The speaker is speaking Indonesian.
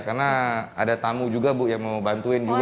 karena ada tamu juga bu yang mau bantuin juga